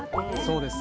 そうです。